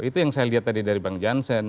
itu yang saya lihat tadi dari bang jansen